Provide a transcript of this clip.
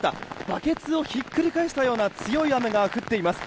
バケツをひっくり返したような強い雨が降っています。